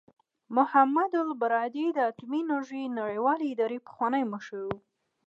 محمد البرادعي د اټومي انرژۍ نړیوالې ادارې پخوانی مشر و.